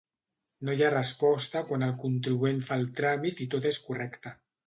No hi ha resposta quan el contribuent fa el tràmit i tot és correcte.